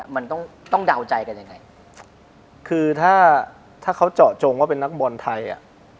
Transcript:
มันต้องต้องเดาใจกันยังไงคือถ้าถ้าเขาเจาะจงว่าเป็นนักบอลไทยอ่ะ